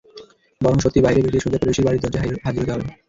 বরং সত্যিই বাইরে বেরিয়ে সোজা প্রেয়সীর বাড়ির দরজায় হাজির হতে হবে।